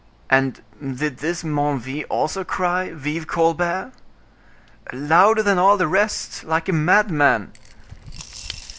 "And did this Menneville also cry, 'Vive Colbert'?" "Louder than all the rest; like a madman."